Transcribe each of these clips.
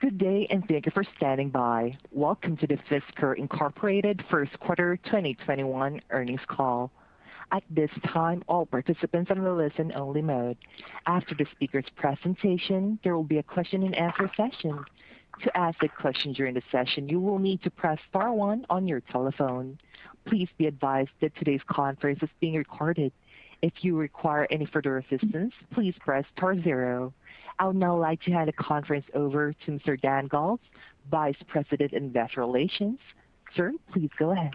Good day, and thank you for standing by. Welcome to the Fisker Inc. first quarter 2021 earnings call. At this time, all participants are in listen only mode. After the speaker's presentation, there will be a question-and-answer session. Please be advised that today's conference is being recorded. If you require any further assistance, please press star and zero. I would now like to hand the conference over to Mr. Dan Galves, Vice President of Investor Relations. Sir, please go ahead.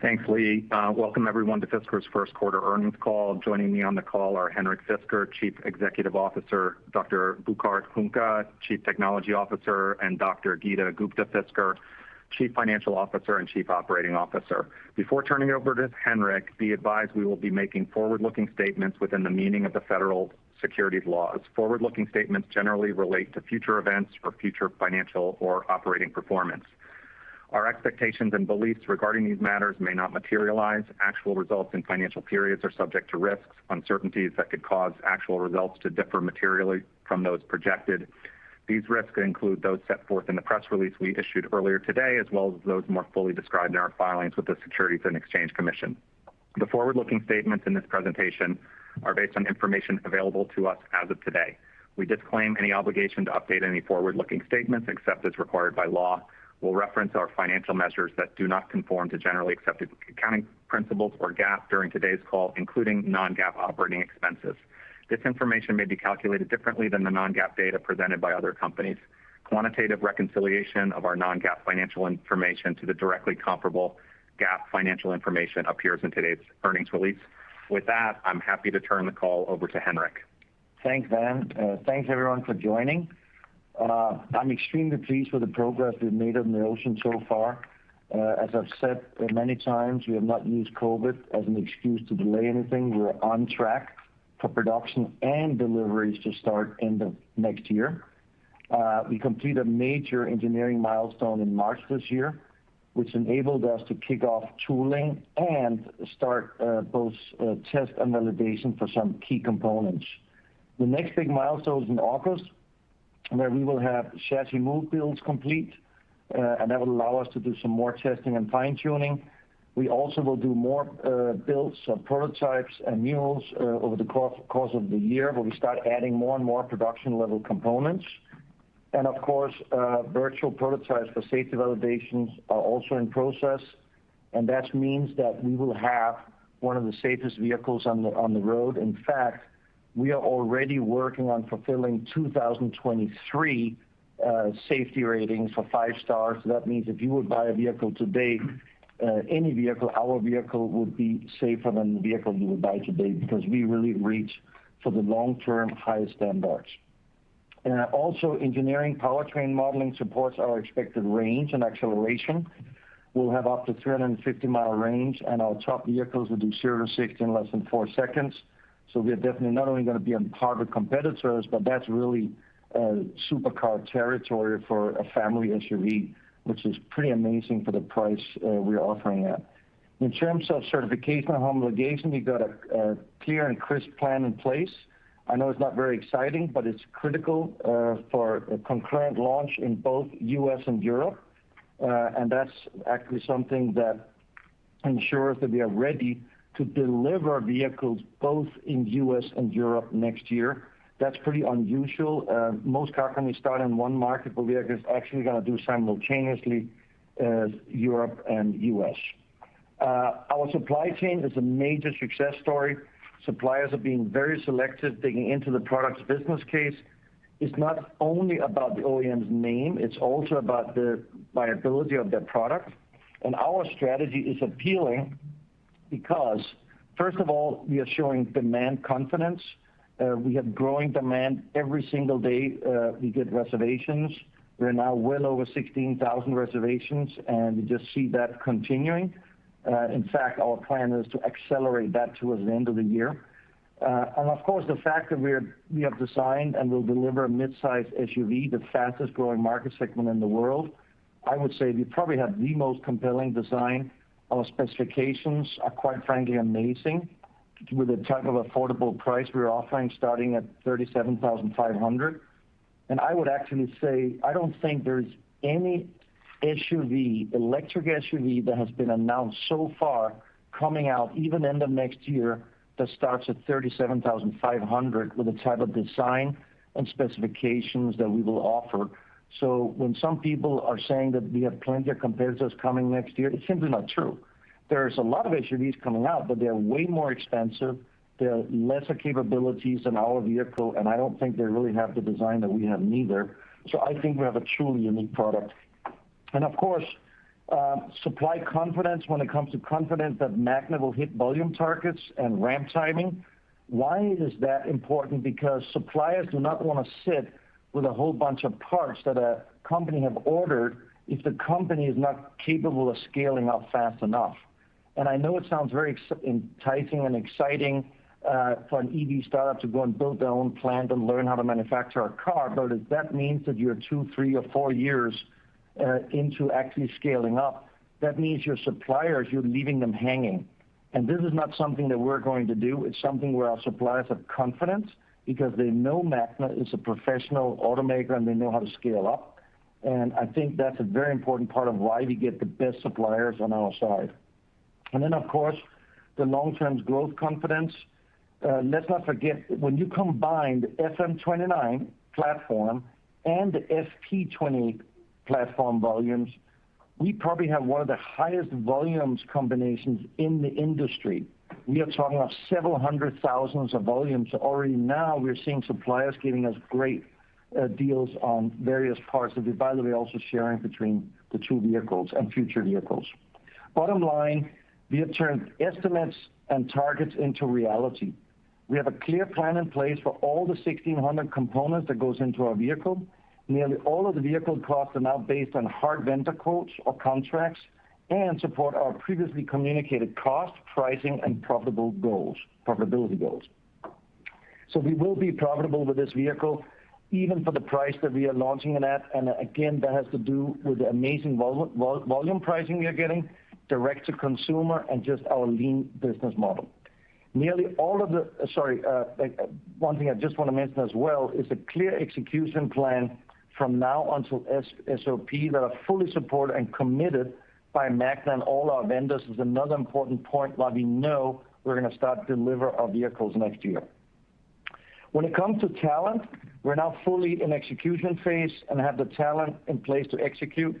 Thanks, Lee. Welcome, everyone, to Fisker's first quarter earnings call. Joining me on the call are Henrik Fisker, Chief Executive Officer, Dr. Burkhard Huhnke, Chief Technology Officer, and Dr. Geeta Gupta-Fisker, Chief Financial Officer and Chief Operating Officer. Before turning it over to Henrik, be advised we will be making forward-looking statements within the meaning of the federal securities laws. Forward-looking statements generally relate to future events or future financial or operating performance. Our expectations and beliefs regarding these matters may not materialize. Actual results in financial periods are subject to risks, uncertainties that could cause actual results to differ materially from those projected. These risks include those set forth in the press release we issued earlier today, as well as those more fully described in our filings with the Securities and Exchange Commission. The forward-looking statements in this presentation are based on information available to us as of today. We disclaim any obligation to update any forward-looking statements except as required by law. We'll reference our financial measures that do not conform to generally accepted accounting principles or GAAP during today's call, including non-GAAP operating expenses. This information may be calculated differently than the non-GAAP data presented by other companies. Quantitative reconciliation of our non-GAAP financial information to the directly comparable GAAP financial information appears in today's earnings release. With that, I'm happy to turn the call over to Henrik. Thanks, Dan. Thanks, everyone, for joining. I'm extremely pleased with the progress we've made in the Ocean so far. As I've said many times, we have not used COVID as an excuse to delay anything. We are on track for production and deliveries to start end of next year. We completed a major engineering milestone in March this year, which enabled us to kick off tooling and start both test and validation for some key components. The next big milestone is in August, where we will have chassis mule builds complete, and that will allow us to do some more testing and fine-tuning. We also will do more builds of prototypes and mules over the course of the year, where we start adding more and more production-level components. Virtual prototypes for safety validations are also in process, and that means that we will have one of the safest vehicles on the road. In fact, we are already working on fulfilling 2023 safety rating for 5 stars. If you would buy a vehicle today, any vehicle, our vehicle would be safer than the vehicle you would buy today because we really reach for the long-term highest standards. Engineering powertrain modeling supports our expected range and acceleration. We'll have up to 350-mile range, and our top vehicles will do 0 to 60 in less than 4 seconds. We're definitely not only going to be on par with competitors, but that's really supercar territory for a family SUV, which is pretty amazing for the price we're offering it. In terms of certification and homologation, we've got a clear and crisp plan in place. I know it's not very exciting. It's critical for a concurrent launch in both U.S. and Europe. That's actually something that ensures that we are ready to deliver vehicles both in U.S. and Europe next year. That's pretty unusual. Most car companies start in one market. We are actually going to do simultaneously Europe and U.S. Our supply chain is a major success story. Suppliers are being very selective, digging into the product's business case. It's not only about the OEM's name, it's also about the viability of their product. Our strategy is appealing because, first of all, we are showing demand confidence. We have growing demand every single day we get reservations. We're now well over 16,000 reservations. We just see that continuing. In fact, our plan is to accelerate that towards the end of the year. Of course, the fact that we have designed and will deliver a midsize SUV, the fastest-growing market segment in the world, I would say we probably have the most compelling design. Our specifications are, quite frankly, amazing, with the type of affordable price we're offering starting at $37,500. I would actually say, I don't think there's any electric SUV that has been announced so far coming out even end of next year that starts at $37,500 with the type of design and specifications that we will offer. When some people are saying that we have plenty of competitors coming next year, it's simply not true. There's a lot of SUVs coming out, but they're way more expensive. They have lesser capabilities than our vehicle, I don't think they really have the design that we have either. I think we have a truly unique product. Of course, supply confidence when it comes to confidence that Magna will hit volume targets and ramp timing. Why is that important? Because suppliers do not want to sit with a whole bunch of parts that a company have ordered if the company is not capable of scaling up fast enough. I know it sounds very enticing and exciting for an EV startup to go and build their own plant and learn how to manufacture a car. If that means that you're two, three, or four years into actually scaling up, that means your suppliers, you're leaving them hanging. This is not something that we're going to do. It's something where our suppliers have confidence because they know Magna is a professional automaker, and they know how to scale up. I think that's a very important part of why we get the best suppliers on our side. Of course, the long-term growth confidence. Let's not forget, when you combine the FM29 platform and the FP28 platform volumes, we probably have one of the highest volumes combinations in the industry. We are talking about several hundred thousands of volumes already now. We're seeing suppliers giving us great deals on various parts that we're, by the way, also sharing between the two vehicles and future vehicles. Bottom line, we have turned estimates and targets into reality. We have a clear plan in place for all the 1,600 components that goes into our vehicle. Nearly all of the vehicle costs are now based on hard vendor quotes or contracts and support our previously communicated cost, pricing, and profitability goals. We will be profitable with this vehicle, even for the price that we are launching it at. Again, that has to do with the amazing volume pricing we are getting, direct to consumer, and just our lean business model. One thing I just want to mention as well is a clear execution plan from now until SOP that are fully supported and committed by Magna and all our vendors is another important point letting know we're going to start to deliver our vehicles next year. When it comes to talent, we're now fully in execution phase and have the talent in place to execute.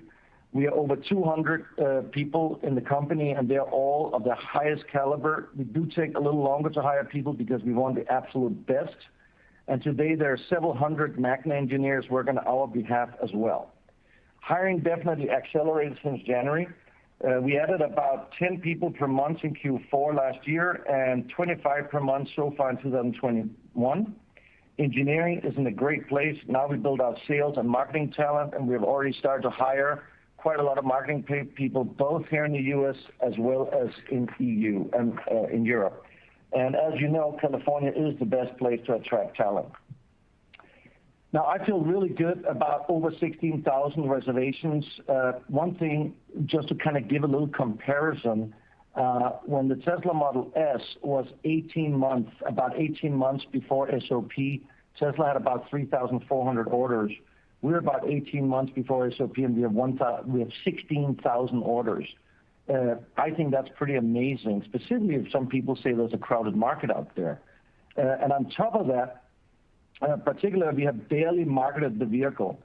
We are over 200 people in the company, and they're all of the highest caliber. We do take a little longer to hire people because we want the absolute best, and today there are several hundred Magna engineers working on our behalf as well. Hiring definitely accelerated since January. We added about 10 people per month in Q4 last year, and 25 per month so far in 2021. Engineering is in a great place. We build our sales and marketing talent, and we've already started to hire quite a lot of marketing people, both here in the U.S. as well as in EU and in Europe. As you know, California is the best place to attract talent. I feel really good about over 16,000 reservations. One thing, just to kind of give a little comparison, when the Tesla Model S was about 18 months before SOP, Tesla had about 3,400 orders. We're about 18 months before SOP, and we have 16,000 orders. I think that's pretty amazing, specifically if some people say there's a crowded market out there. On top of that, in particular, we have barely marketed the vehicle.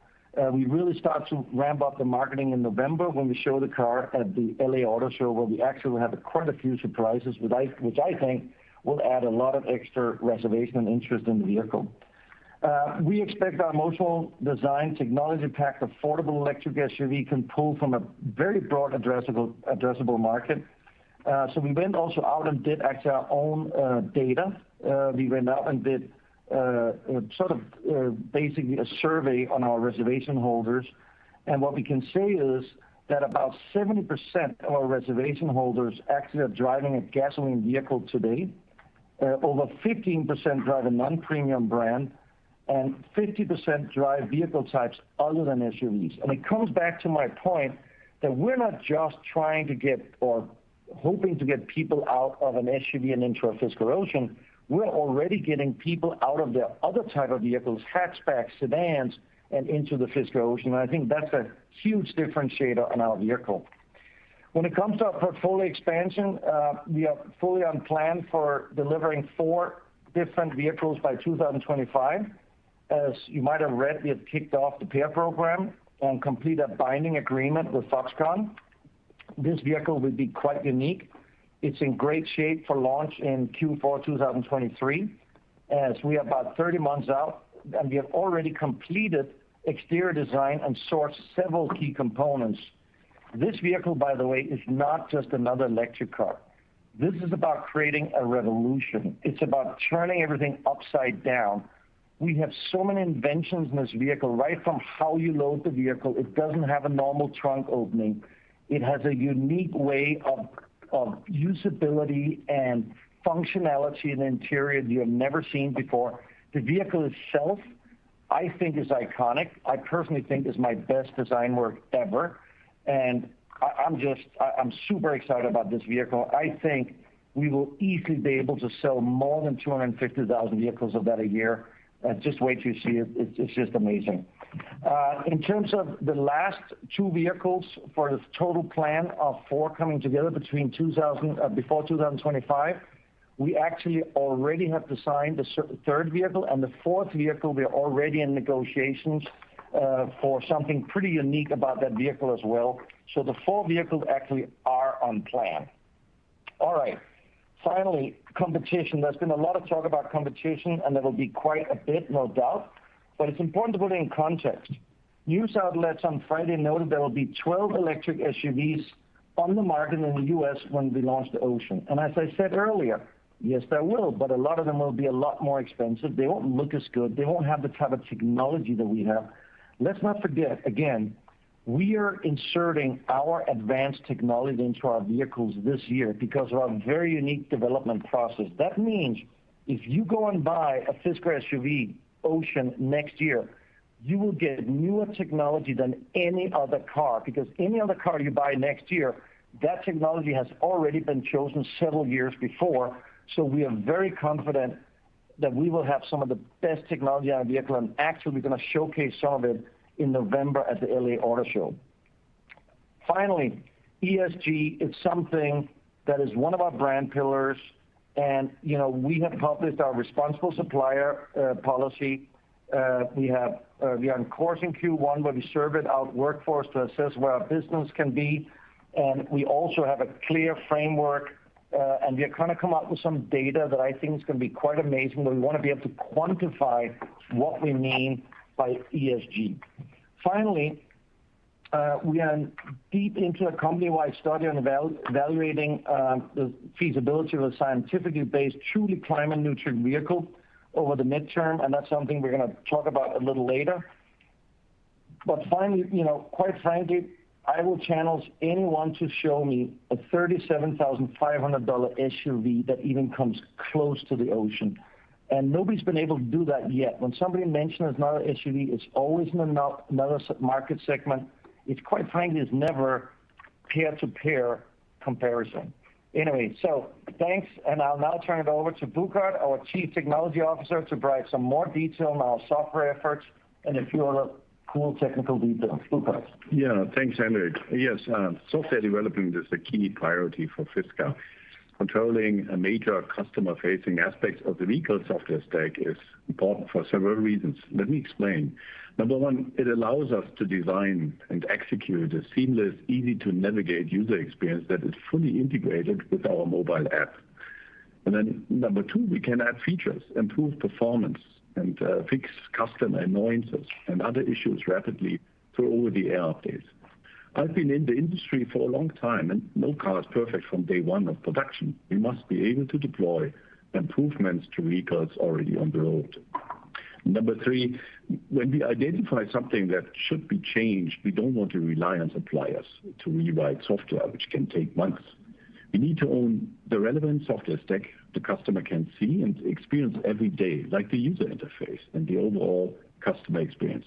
We really started to ramp up the marketing in November when we showed the car at the LA Auto Show, where we actually have quite a few surprises, which I think will add a lot of extra reservation and interest in the vehicle. We expect our emotional design technology-packed affordable electric SUV can pull from a very broad addressable market. We went also out and did actually our own data. We went out and did basically a survey on our reservation holders, what we can say is that about 70% of our reservation holders actually are driving a gasoline vehicle today. Over 15% drive a non-premium brand, 50% drive vehicle types other than SUVs. It comes back to my point that we're not just trying to get or hoping to get people out of an SUV and into a Fisker Ocean. We're already getting people out of the other type of vehicles, hatchbacks, sedans, and into the Fisker Ocean. I think that's a huge differentiator on our vehicle. When it comes to our portfolio expansion, we are fully on plan for delivering four different vehicles by 2025. As you might have read, we have kicked off the PEAR program and completed a binding agreement with Foxconn. This vehicle will be quite unique. It's in great shape for launch in Q4 2023. We are about 30 months out, and we have already completed exterior design and sourced several key components. This vehicle, by the way, is not just another electric car. This is about creating a revolution. It's about turning everything upside down. We have so many inventions in this vehicle, right from how you load the vehicle. It doesn't have a normal trunk opening. It has a unique way of usability and functionality and interior that you have never seen before. The vehicle itself, I think, is iconic. I personally think it's my best design work ever, and I'm super excited about this vehicle. I think we will easily be able to sell more than 250,000 vehicles of that a year. Just wait till you see it. It's just amazing. In terms of the last two vehicles for the total plan of four coming together before 2025, we actually already have designed the third vehicle, and the fourth vehicle, we are already in negotiations for something pretty unique about that vehicle as well. The four vehicles actually are on plan. All right. Finally, competition. There's been a lot of talk about competition, and there'll be quite a bit, no doubt, but it's important to put it in context. News outlets on Friday noted there will be 12 electric SUVs on the market in the U.S. when we launch the Ocean. As I said earlier, yes, there will, but a lot of them will be a lot more expensive. They won't look as good. They won't have the type of technology that we have. Let's not forget, again, we are inserting our advanced technology into our vehicles this year because of our very unique development process. That means if you go and buy a Fisker SUV Ocean next year, you will get newer technology than any other car because any other car you buy next year, that technology has already been chosen several years before. We are very confident that we will have some of the best technology on the vehicle, and actually we're going to showcase some of it in November at the LA Auto Show. Finally, ESG, it's something that is one of our brand pillars, and we have published our responsible supplier policy. We are in course in Q1 where we surveyed our workforce to assess where our business can be, and we also have a clear framework, and we're going to come out with some data that I think is going to be quite amazing. We want to be able to quantify what we mean by ESG. Finally, we are deep into a company-wide study evaluating the feasibility of a scientifically based truly climate-neutral vehicle over the midterm, and that's something we're going to talk about a little later. Finally, quite frankly, I will challenge anyone to show me a $37,500 SUV that even comes close to the Fisker Ocean, and nobody's been able to do that yet. When somebody mentions another SUV, it's always another market segment, which quite frankly is never peer-to-peer comparison. Anyway, thanks, and I'll now turn it over to Burkhard, our Chief Technology Officer, to provide some more detail on our software efforts and a few other cool technical details. Burkhard? Yeah, thanks, Henrik. Yes, software development is the key priority for Fisker. Controlling major customer-facing aspects of the vehicle software stack is important for several reasons. Let me explain. Number one, it allows us to design and execute a seamless, easy-to-navigate user experience that is fully integrated with our mobile app. Number two, we can add features, improve performance, and fix customer annoyances and other issues rapidly through over-the-air updates. I've been in the industry for a long time, and no car is perfect from day one of production. We must be able to deploy improvements to vehicles already on the road. Number three, when we identify something that should be changed, we don't want to rely on suppliers to rewrite software, which can take months. We need to own the relevant software stack the customer can see and experience every day, like the user interface and the overall customer experience.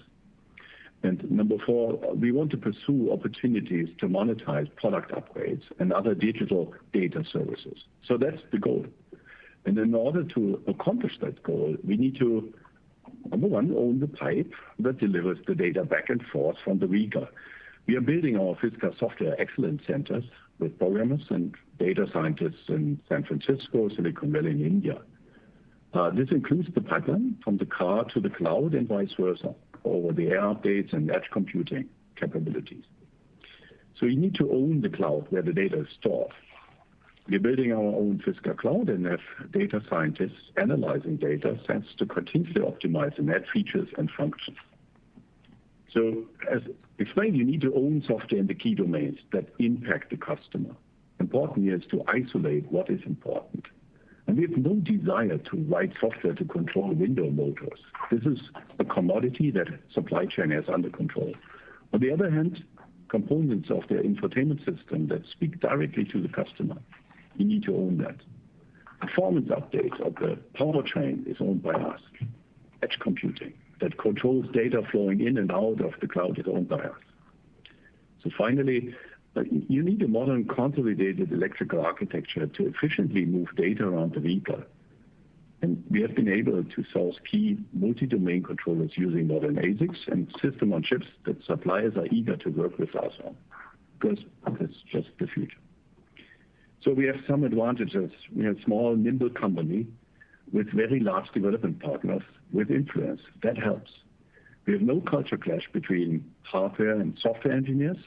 Number 4, we want to pursue opportunities to monetize product upgrades and other digital data services. That's the goal. In order to accomplish that goal, we need to, number 1, own the pipe that delivers the data back and forth from the vehicle. We are building our Fisker software excellence centers with programmers and data scientists in San Francisco, Silicon Valley, and India. This includes the pipeline from the car to the cloud and vice versa, over-the-air updates, and edge computing capabilities. We need to own the cloud where the data is stored. We are building our own Fisker Cloud, and there are data scientists analyzing data sent to continuously optimize the net features and functions. As explained, we need to own software in the key domains that impact the customer. Importantly is to isolate what is important. We have no desire to write software to control the window motors. This is a commodity that supply chain has under control. On the other hand, components of the infotainment system that speak directly to the customer, we need to own that. Performance updates of the powertrain is owned by us. Edge computing that controls data flowing in and out of the cloud is owned by us. Finally, you need a modern, convoluted electrical architecture to efficiently move data around the vehicle, and we have been able to source key multi-domain controllers using modern ASICS and system on chips that suppliers are eager to work with us on because it's just the future. We have some advantages. We are a small, nimble company with very large development partners with influence. That helps. We have no culture clash between hardware and software engineers.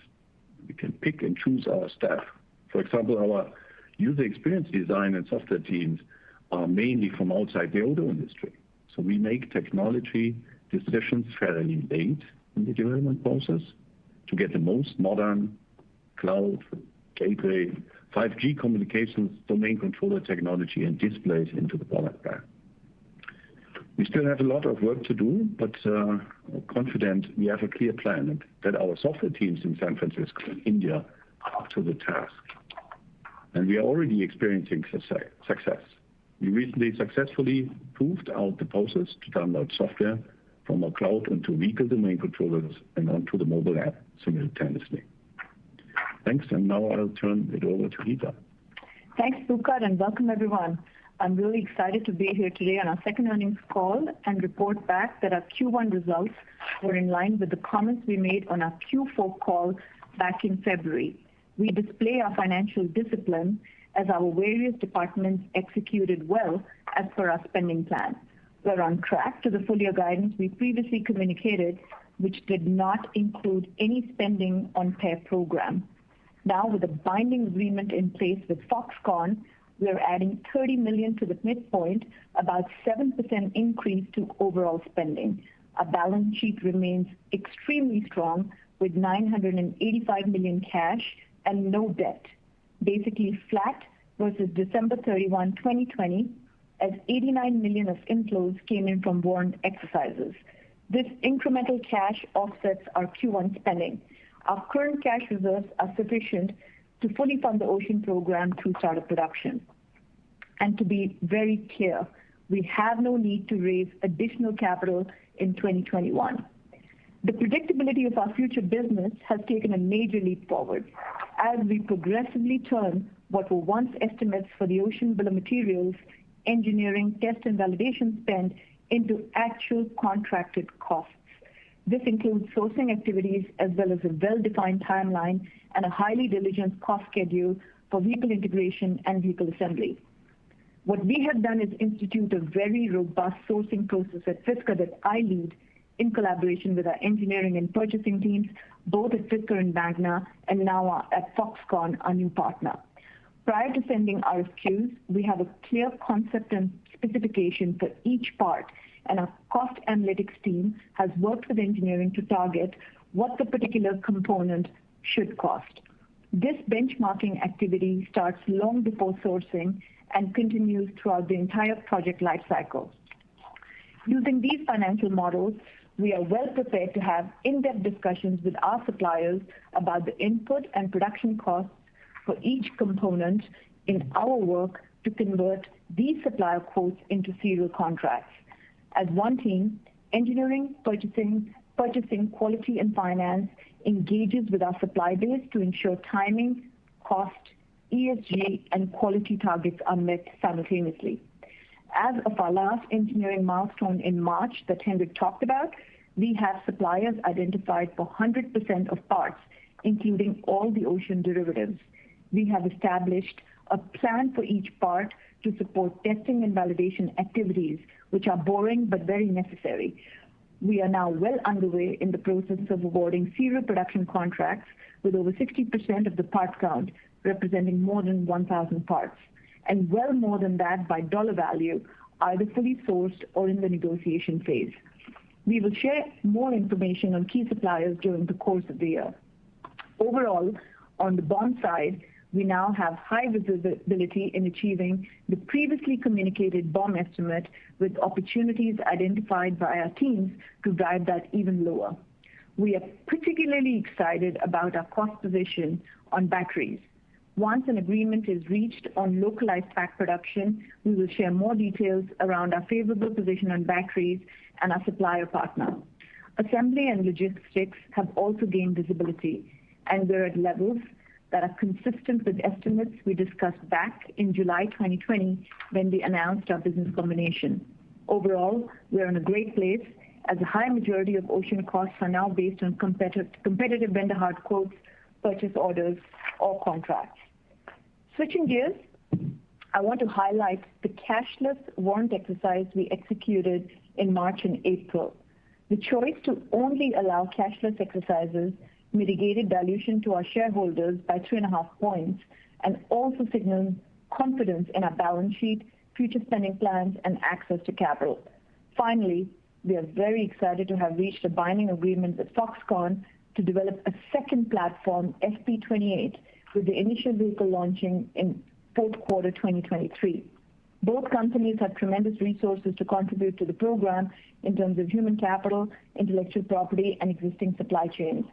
We can pick and choose our staff. For example, our user experience design and software teams are mainly from outside the auto industry. We make technology decisions fairly late in the development process to get the most modern cloud, gateway, 5G communications, domain controller technology, and displays into the product plan. We still have a lot of work to do, but I'm confident we have a clear plan, and that our software teams in San Francisco and India are up to the task. We are already experiencing success. We recently successfully proved out the process to download software from the cloud onto vehicle domain controllers and onto the mobile app simultaneously. Thanks, and now I'll turn it over to Geeta. Thanks, Burkhard. Welcome, everyone. I'm really excited to be here today on our second earnings call and report back that our Q1 results were in line with the comments we made on our Q4 call back in February. We display our financial discipline as our various departments executed well as per our spending plan. We're on track to the full-year guidance we previously communicated, which did not include any spending on PEAR program. With a binding agreement in place with Foxconn, we are adding $30 million to the midpoint, about 7% increase to overall spending. Our balance sheet remains extremely strong with $985 million cash and no debt, basically flat versus December 31, 2020, as $89 million of inflows came in from warrant exercises. This incremental cash offsets our Q1 spending. Our current cash reserves are sufficient to fully fund the Fisker Ocean program through start of production. To be very clear, we have no need to raise additional capital in 2021. The predictability of our future business has taken a major leap forward as we progressively turn what were once estimates for the Ocean bill of materials, engineering, test, and validation spend into actual contracted costs. This includes sourcing activities as well as a well-defined timeline and a highly diligent cost schedule for vehicle integration and vehicle assembly. What we have done is institute a very robust sourcing process at Fisker that I lead in collaboration with our engineering and purchasing teams, both at Fisker and Magna, and now at Foxconn, our new partner. Prior to sending RFQs, we have a clear concept and specification for each part, and our cost analytics team has worked with engineering to target what the particular component should cost. This benchmarking activity starts long before sourcing and continues throughout the entire project lifecycle. Using these financial models, we are well-prepared to have in-depth discussions with our suppliers about the input and production costs for each component in our work to convert these supplier quotes into serial contracts. As one team, engineering, purchasing, quality, and finance engages with our supply base to ensure timing, cost, ESG, and quality targets are met simultaneously. As of our last engineering milestone in March that Henrik talked about, we have suppliers identified for 100% of parts, including all the Ocean derivatives. We have established a plan for each part to support testing and validation activities, which are boring, but very necessary. We are now well underway in the process of awarding serial production contracts with over 60% of the part count, representing more than 1,000 parts, and well more than that by dollar value, either fully sourced or in the negotiation phase. We will share more information on key suppliers during the course of the year. Overall, on the BOM side, we now have high visibility in achieving the previously communicated BOM estimate with opportunities identified by our teams to drive that even lower. We are particularly excited about our cost position on batteries. Once an agreement is reached on localized pack production, we will share more details around our favorable position on batteries and our supplier partner. Assembly and logistics have also gained visibility and they're at levels that are consistent with estimates we discussed back in July 2020 when we announced our business combination. Overall, we are in a great place as a high majority of Ocean costs are now based on competitive vendor hard quotes, purchase orders, or contracts. Switching gears, I want to highlight the cashless warrant exercise we executed in March and April. The choice to only allow cashless exercises mitigated dilution to our shareholders by two and a half points and also signaled confidence in our balance sheet, future spending plans, and access to capital. Finally, we are very excited to have reached a binding agreement with Foxconn to develop a second platform, FP28, with the initial vehicle launching in fourth quarter 2023. Both companies have tremendous resources to contribute to the program in terms of human capital, intellectual property, and existing supply chains.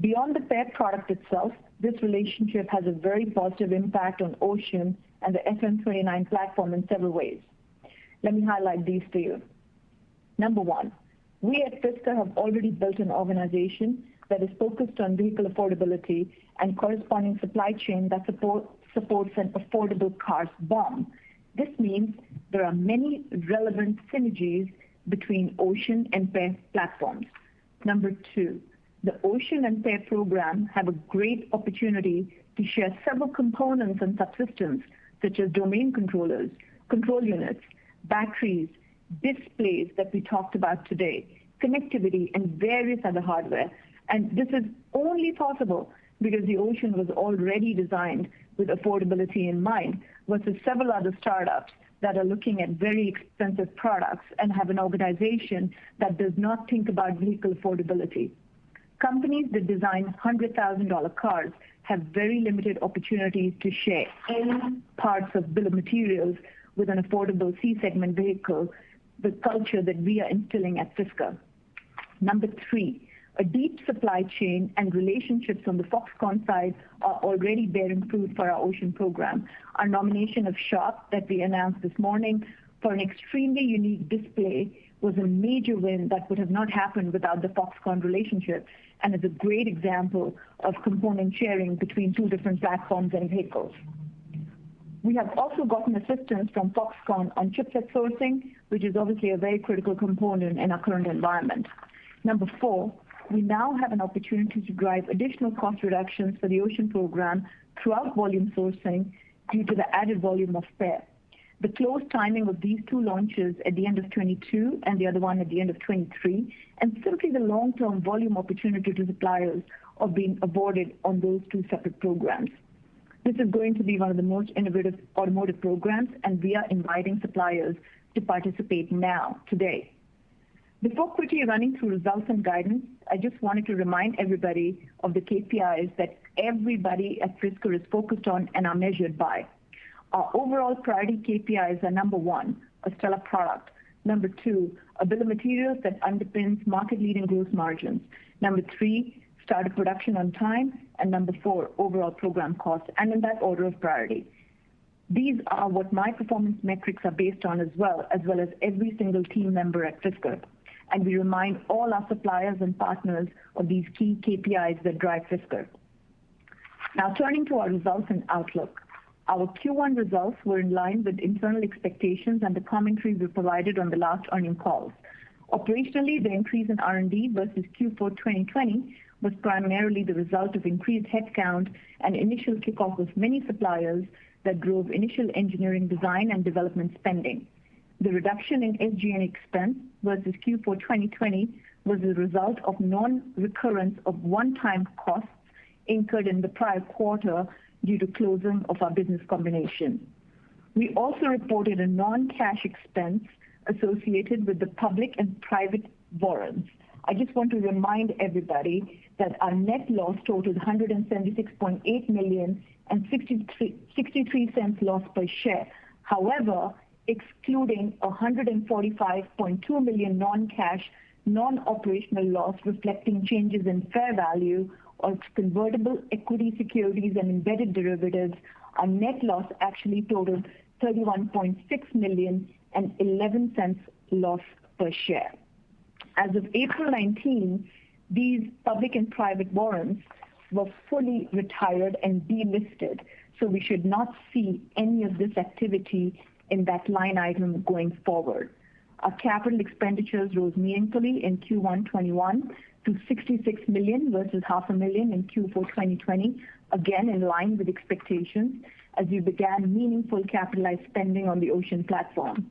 Beyond the PEAR car itself, this relationship has a very positive impact on Ocean and the FM29 platform in several ways. Let me highlight these for you. Number one, we at Fisker have already built an organization that is focused on vehicle affordability and corresponding supply chain that supports an affordable car's BOM. This means there are many relevant synergies between Ocean and PEAR's platforms. Number two, the Ocean and PEAR programs have a great opportunity to share several components and subsystems such as domain controllers, control units, batteries, displays that we talked about today, connectivity, and various other hardware. This is only possible because the Ocean was already designed with affordability in mind, versus several other startups that are looking at very expensive products and have an organization that does not think about vehicle affordability. Companies that design $100,000 cars have very limited opportunities to share any parts of bill of materials with an affordable C-segment vehicle, the culture that we are instilling at Fisker. Number 3, a deep supply chain and relationships on the Foxconn side are already being improved for our Ocean program. Our nomination of Sharp that we announced this morning for an extremely unique display was a major win that would have not happened without the Foxconn relationship and is a great example of component sharing between two different platforms and vehicles. We have also gotten assistance from Foxconn on chipset sourcing, which is obviously a very critical component in our current environment. Number 4, we now have an opportunity to drive additional cost reductions for the Ocean program through our volume sourcing due to the added volume of FE. The close timing of these two launches at the end of 2022 and the other one at the end of 2023, instill the long-term volume opportunity to suppliers of being awarded on those two separate programs. This is going to be one of the most innovative automotive programs. We are inviting suppliers to participate now, today. Before quickly running through results and guidance, I just wanted to remind everybody of the KPIs that everybody at Fisker is focused on and are measured by. Our overall priority KPIs are, number 1, a stellar product. Number 2, a bill of materials that underpins market-leading gross margins. Number 3, start of production on time. Number 4, overall program cost, and in that order of priority. These are what my performance metrics are based on as well, as well as every single team member at Fisker. We remind all our suppliers and partners of these key KPIs that drive Fisker. Turning to our results and outlook. Our Q1 results were in line with internal expectations and the commentary we provided on the last earnings call. Operationally, the increase in R&D versus Q4 2020 was primarily the result of increased headcount and initial kickoff with many suppliers that drove initial engineering design and development spending. The reduction in SG&A expense versus Q4 2020 was a result of non-recurrence of one-time costs incurred in the prior quarter due to closing of our business combination. We also reported a non-cash expense associated with the public and private warrants. I just want to remind everybody that our net loss totaled $176.8 million and $0.63 loss per share. Excluding $145.2 million non-cash, non-operational loss reflecting changes in fair value of convertible equity securities and embedded derivatives, our net loss actually totaled $31.6 million and $0.11 loss per share. As of April 19, these public and private warrants were fully retired and delisted, we should not see any of this activity in that line item going forward. Our capital expenditures rose meaningfully in Q1 2021 to $66 million versus half a million in Q4 2020, again, in line with expectations, as we began meaningful capitalized spending on the Ocean platform.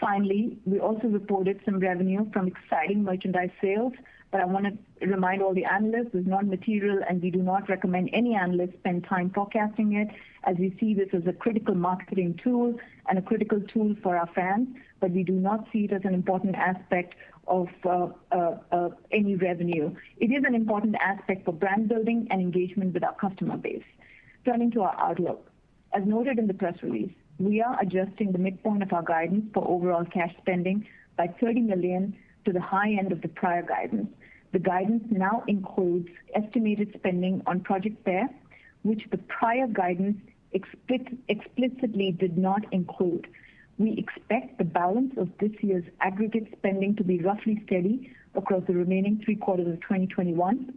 Finally, we also reported some revenue from exciting merchandise sales, but I want to remind all the analysts it's not material, and we do not recommend any analysts spend time forecasting it, as we see this as a critical marketing tool and a critical tool for our fans. We do not see it as an important aspect of any revenue. It is an important aspect for brand building and engagement with our customer base. Turning to our outlook. As noted in the press release, we are adjusting the midpoint of our guidance for overall cash spending by $30 million to the high end of the prior guidance. The guidance now includes estimated spending on Project PEAR, which the prior guidance explicitly did not include. We expect the balance of this year's aggregate spending to be roughly steady across the remaining three quarters of 2021.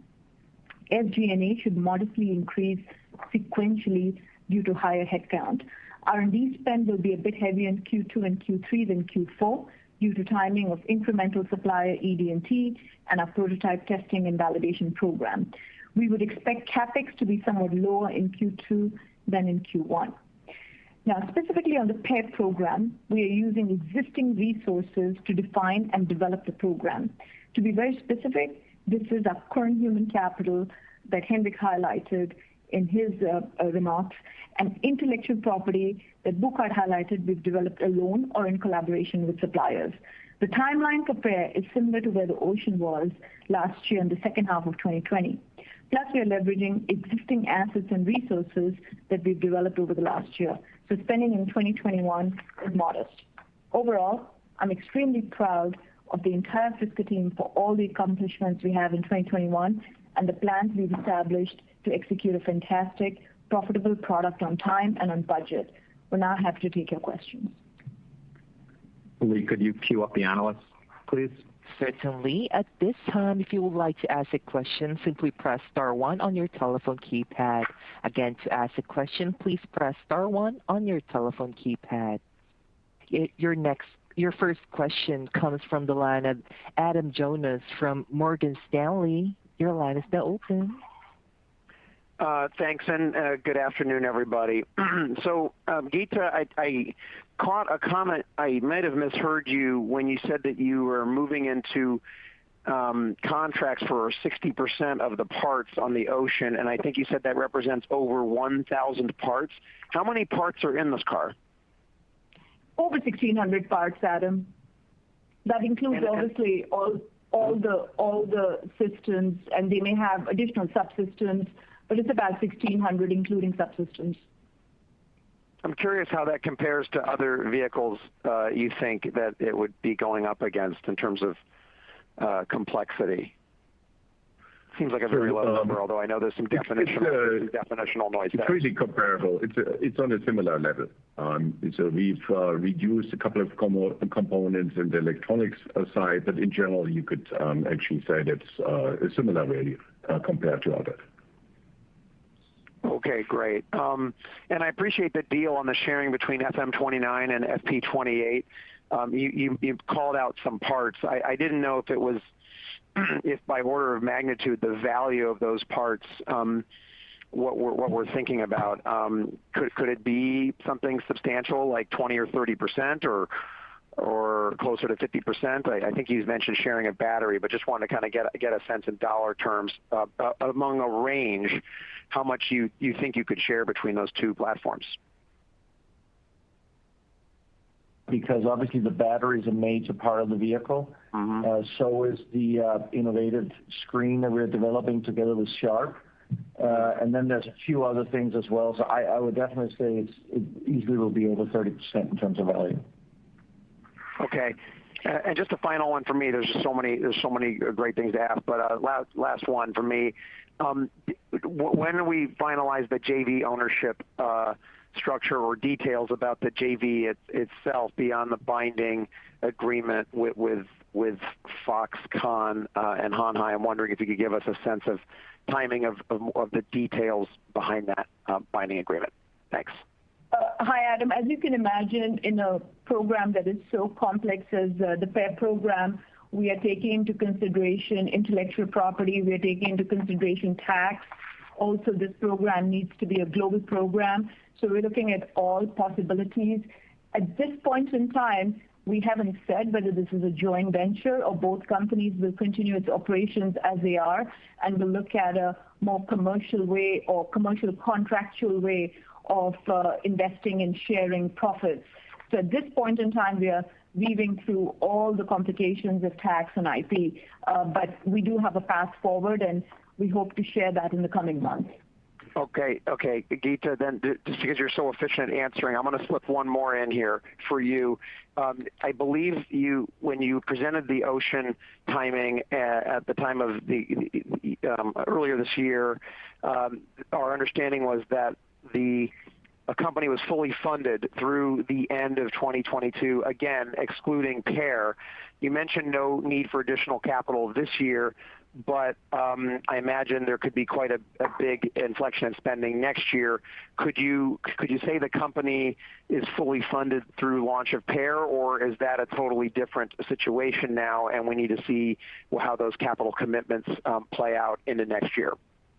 SG&A should modestly increase sequentially due to higher headcount. R&D spend will be a bit heavier in Q2 and Q3 than Q4 due to timing of incremental supplier D&T and our prototype testing and validation program. We would expect CapEx to be somewhat lower in Q2 than in Q1. Specifically on the PEAR program, we are using existing resources to define and develop the program. To be very specific, this is our current human capital that Henrik highlighted in his remarks and intellectual property that Burkhard Huhnke highlighted we've developed alone or in collaboration with suppliers. The timeline for PEAR is similar to where the Ocean was last year in the second half of 2020. We are leveraging existing assets and resources that we've developed over the last year, so spending in 2021 is modest. Overall, I'm extremely proud of the entire Fisker team for all the accomplishments we have in 2021 and the plans we've established to execute a fantastic profitable product on time and on budget. We'll now happy to take your questions. Lee, could you queue up the analysts, please? Certainly, at this time if you would like to ask question, please press star one on your telephone keypad. Again to ask question please press star one on your keypad. Your first question comes from the line of Adam Jonas from Morgan Stanley. Your line is now open. Thanks. Good afternoon, everybody. Geeta, I caught a comment. I might have misheard you when you said that you were moving into contracts for 60% of the parts on the Ocean, and I think you said that represents over 1,000 parts. How many parts are in this car? Over 1,600 parts, Adam. Okay. That includes, obviously, all the systems. We may have additional subsystems, but it's about 1,600, including subsystems. I'm curious how that compares to other vehicles you think that it would be going up against in terms of complexity. Seems like a very broad number, although I know there's some definitional noise there. It's pretty comparable. It's on a similar level. We've reduced a couple of components in the electronics side, but in general, you could actually say that it's similar, really, compared to others. Okay, great. I appreciate the deal on the sharing between FM29 and FP28. You've called out some parts. I didn't know if by order of magnitude, the value of those parts, what we're thinking about. Could it be something substantial, like 20% or 30% or closer to 50%? I think you mentioned sharing a battery, but just want to get a sense in dollar terms, among a range, how much you think you could share between those two platforms. Obviously the battery's a major part of the vehicle. Is the innovative screen that we are developing together with Sharp. Then there's a few other things as well. I would definitely say it easily will be over 30% in terms of value. Okay. Just a final one for me. There's so many great things to ask, but last one from me. When do we finalize the JV ownership structure or details about the JV itself beyond the binding agreement with Foxconn and Hon Hai? I'm wondering if you could give us a sense of timing of the details behind that binding agreement. Thanks. Hi, Adam. As you can imagine, in a program that is so complex as the PEAR program, we are taking into consideration intellectual property, we are taking into consideration tax. This program needs to be a global program, we're looking at all possibilities. At this point in time, we haven't said whether this is a joint venture or both companies will continue its operations as they are, we'll look at a more commercial way or commercial contractual way of investing and sharing profits. At this point in time, we are weaving through all the complications of tax and IP. We do have a path forward, we hope to share that in the coming months. Okay. Geeta, just because you're so efficient answering, I'm going to slip one more in here for you. I believe when you presented the Ocean timing earlier this year, our understanding was that the company was fully funded through the end of 2022, again, excluding PEAR. You mentioned no need for additional capital this year, I imagine there could be quite a big inflection of spending next year. Could you say the company is fully funded through launch of PEAR, or is that a totally different situation now and we need to see how those capital commitments play out into next year?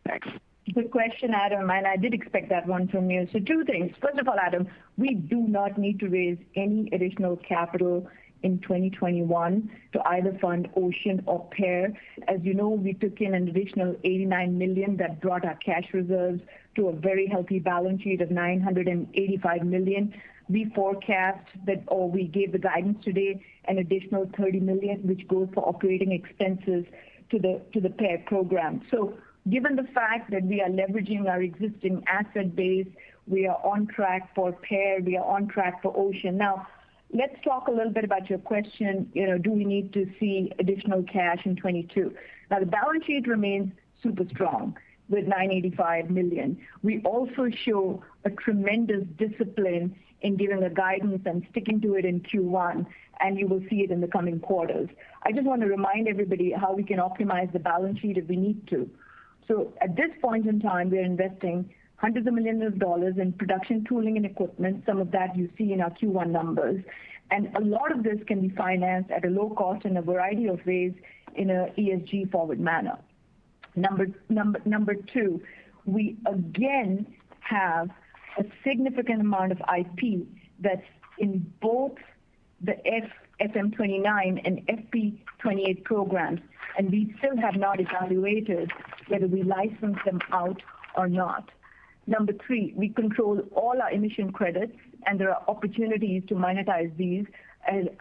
Thanks. Good question, Adam. I did expect that one from you. Two things. First of all, Adam, we do not need to raise any additional capital in 2021 to either fund Ocean or PEAR. As you know, we took in an additional $89 million that brought our cash reserves to a very healthy balance sheet of $985 million. We forecast that, or we gave the guidance today, an additional $30 million, which goes for operating expenses to the PEAR program. Given the fact that we are leveraging our existing asset base, we are on track for PEAR, we are on track for Ocean. Let's talk a little bit about your question, do we need to see additional cash in 2022? The balance sheet remains super strong with $985 million. We also show a tremendous discipline in giving the guidance and sticking to it in Q1, and you will see it in the coming quarters. I just want to remind everybody how we can optimize the balance sheet if we need to. At this point in time, we are investing $hundreds of millions in production tooling and equipment. Some of that you see in our Q1 numbers. A lot of this can be financed at a low cost in a variety of ways in an ESG-forward manner. Number 2, we again have a significant amount of IP that's in both the FM29 and FP28 programs, and we still have not evaluated whether we license them out or not. Number 3, we control all our emission credits, and there are opportunities to monetize these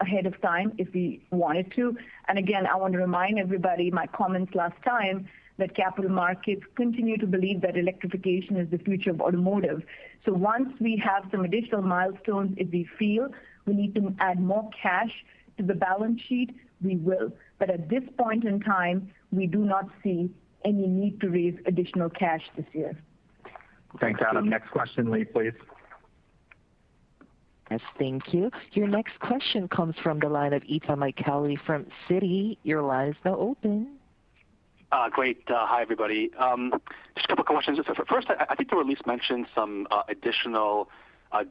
ahead of time if we wanted to. Again, I want to remind everybody in my comments last time that capital markets continue to believe that electrification is the future of automotive. Once we have some additional milestones, if we feel we need to add more cash to the balance sheet, we will. At this point in time, we do not see any need to raise additional cash this year. Thanks, Adam. Next question, Lee, please. Yes, thank you. Your next question comes from the line of Itay Michaeli from Citi. Great. Hi, everybody. Several questions. I think you at least mentioned some additional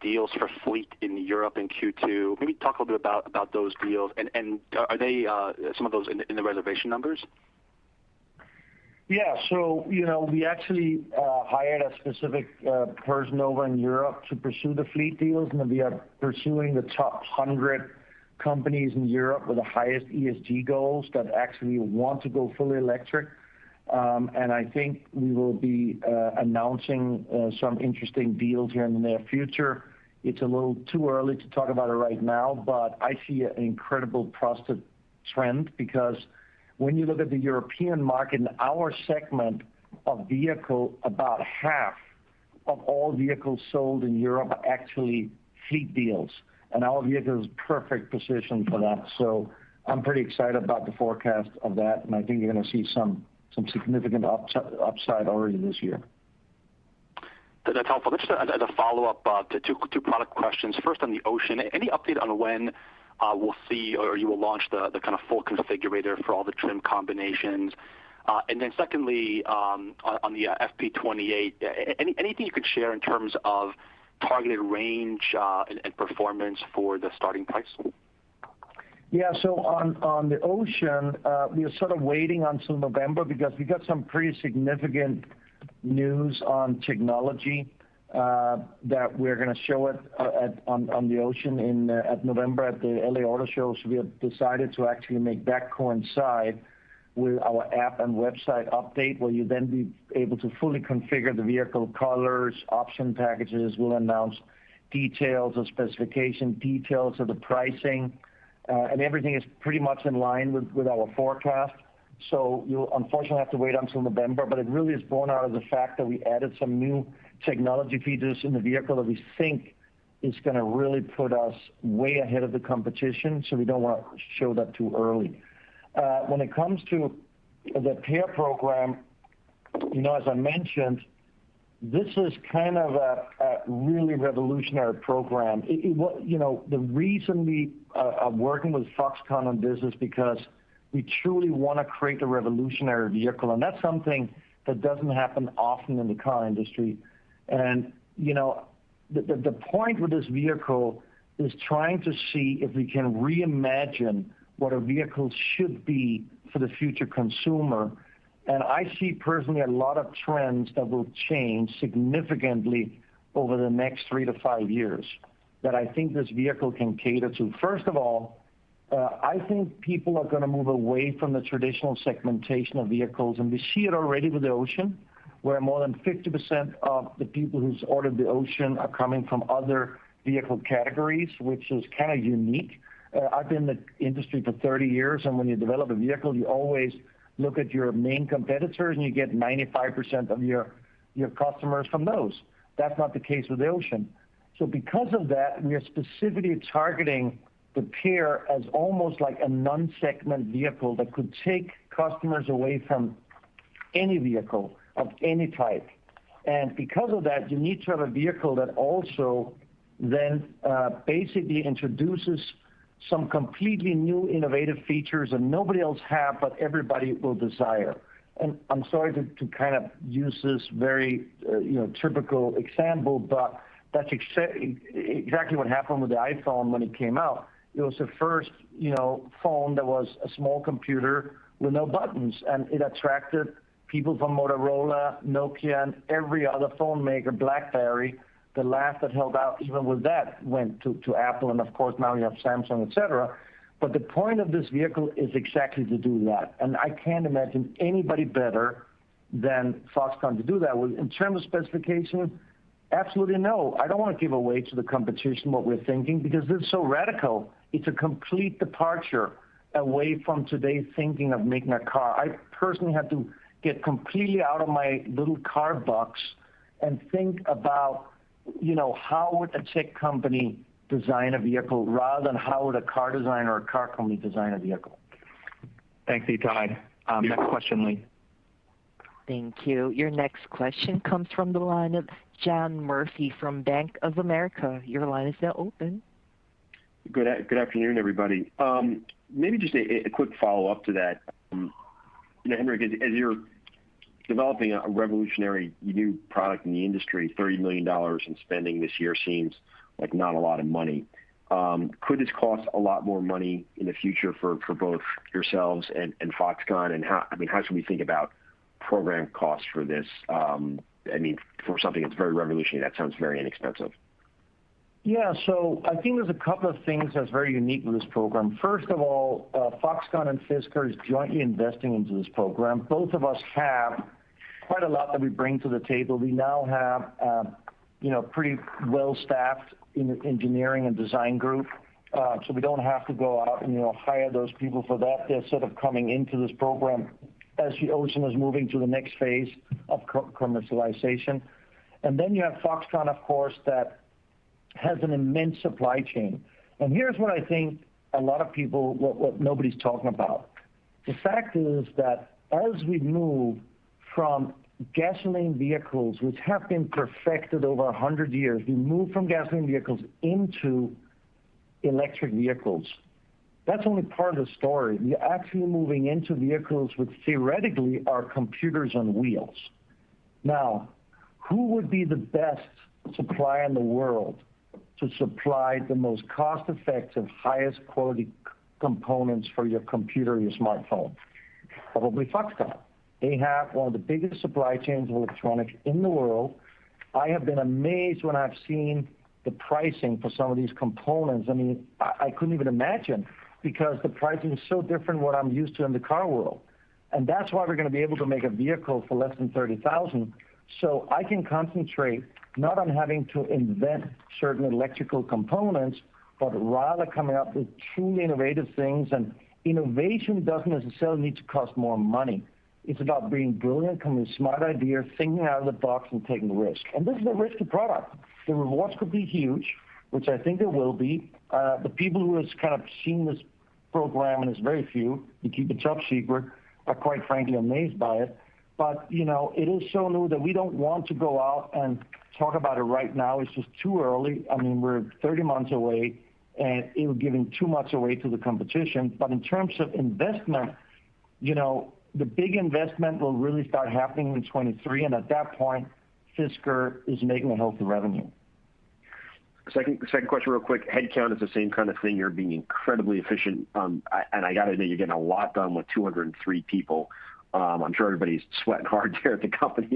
deals for fleet in Europe in Q2. Can you talk a little bit about those deals, and are some of those in the reservation numbers? We actually hired a specific person over in Europe to pursue the fleet deals. We are pursuing the top 100 companies in Europe with the highest ESG goals that actually want to go fully electric. I think we will be announcing some interesting deals here in the near future. It's a little too early to talk about it right now, but I see an incredible positive trend, because when you look at the European market, in our segment of vehicle, about half of all vehicles sold in Europe are actually fleet deals, and our vehicle is in perfect position for that. I'm pretty excited about the forecast of that, and I think you're going to see some significant upside already this year. A follow-up. Two product questions. First, on the Ocean, any update on when we'll see, or you will launch the full configurator for all the trim combinations? Secondly, on the FP28, anything you could share in terms of targeted range and performance for the starting price point? Yeah. On the Ocean, we are sort of waiting until November because we got some pretty significant news on technology, that we are going to show it on the Ocean in November at the LA Auto Show. We have decided to actually make that coincide with our app and website update, where you'll then be able to fully configure the vehicle colors, option packages. We'll announce details of specification, details of the pricing. Everything is pretty much in line with our forecast. You'll unfortunately have to wait until November, but it really is born out of the fact that we added some new technology features in the vehicle that we think is going to really put us way ahead of the competition. We don't want to show that too early. When it comes to the PEAR program, as I mentioned, this is a really revolutionary program. The reason we are working with Foxconn on this is because we truly want to create a revolutionary vehicle. That's something that doesn't happen often in the car industry. The point with this vehicle is trying to see if we can reimagine what a vehicle should be for the future consumer. I see personally a lot of trends that will change significantly over the next three to five years that I think this vehicle can cater to. First of all, I think people are going to move away from the traditional segmentation of vehicles, and we see it already with the Ocean, where more than 50% of the people who's ordered the Ocean are coming from other vehicle categories, which is kind of unique. I've been in the industry for 30 years, and when you develop a vehicle, you always look at your main competitors, and you get 95% of your customers from those. That's not the case with the Fisker Ocean. Because of that, we are specifically targeting the PEAR as almost like a non-segment vehicle that could take customers away from any vehicle of any type. Because of that, you need to have a vehicle that also then basically introduces some completely new innovative features that nobody else have, but everybody will desire. I'm sorry to use this very typical example, but that's exactly what happened with the iPhone when it came out. It was the first phone that was a small computer with no buttons. It attracted people from Motorola, Nokia, and every other phone maker, BlackBerry, the last that held out even with that went to Apple and of course now you have Samsung, et cetera. The point of this vehicle is exactly to do that, and I can't imagine anybody better than Foxconn to do that. In terms of specification, absolutely no. I don't want to give away to the competition what we're thinking because it's so radical. It's a complete departure away from today's thinking of making a car. I personally have to get completely out of my little car box and think about how would a tech company design a vehicle rather than how would a car designer or car company design a vehicle. Thanks, Itay. Next question, Lee. Thank you. Your next question comes from the line of John Murphy from Bank of America. Your line is now open. Good afternoon, everybody. Maybe just a quick follow-up to that. Henrik, as you're developing a revolutionary new product in the industry, $30 million in spending this year seems like not a lot of money. Could this cost a lot more money in the future for both yourselves and Foxconn? How should we think about program costs for this? For something that's very revolutionary, that sounds very inexpensive. I think there's a couple of things that's very unique with this program. First of all, Foxconn and Fisker is jointly investing into this program. Both of us have quite a lot that we bring to the table. We now have a pretty well-staffed engineering and design group. We don't have to go out and hire those people for that. They're sort of coming into this program as the Ocean is moving to the next phase of commercialization. You have Foxconn, of course, that has an immense supply chain. Here's what I think what nobody's talking about. The fact is that as we move from gasoline vehicles, which have been perfected over 100 years, we move from gasoline vehicles into electric vehicles. That's only part of the story. You're actually moving into vehicles which theoretically are computers on wheels. Who would be the best supplier in the world to supply the most cost-effective, highest-quality components for your computer and your smartphone? Probably Foxconn. They have one of the biggest supply chains of electronics in the world. I have been amazed when I've seen the pricing for some of these components. I couldn't even imagine because the pricing is so different to what I'm used to in the car world. That's why we're going to be able to make a vehicle for less than $30,000. I can concentrate not on having to invent certain electrical components, but rather coming up with truly innovative things. Innovation doesn't necessarily need to cost more money. It's about being brilliant, coming with smart ideas, thinking out of the box, and taking risks. This is a risky product. The rewards could be huge, which I think it will be. The people who have seen this program, and there's very few, we keep it top secret, are quite frankly amazed by it. It is shown that we don't want to go out and talk about it right now. It's just too early. We're 30 months away, and it would giving too much away to the competition. In terms of investment, the big investment will really start happening in 2023, and at that point, Fisker is making a healthy revenue. Second question real quick. Headcount is the same kind of thing. You're being incredibly efficient. I got to think you're getting a lot done with 203 people. I'm sure everybody's sweating hard there at the company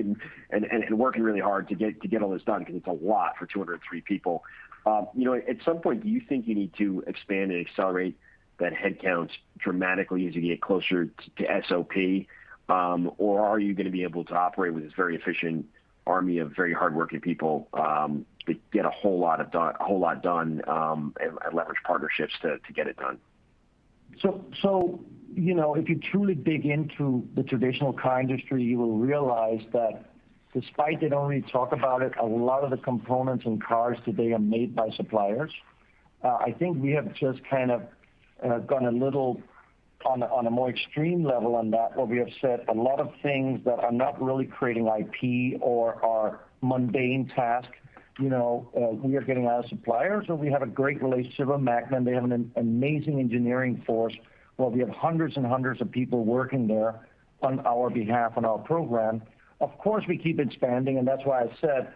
and working really hard to get all this done, because it's a lot for 203 people. At some point, do you think you need to expand and accelerate that headcount dramatically as you get closer to SOP? Are you going to be able to operate with this very efficient army of very hardworking people, that get a whole lot done, and leverage partnerships to get it done? If you truly dig into the traditional car industry, you will realize that despite they don't really talk about it, a lot of the components in cars today are made by suppliers. I think we have just kind of gone a little on a more extreme level on that, where we have said a lot of things that are not really creating IP or are mundane tasks, we are getting our suppliers. We have a great relationship with Magna, and they have an amazing engineering force, where we have hundreds of people working there on our behalf, on our program. Of course, we keep expanding, and that's why I said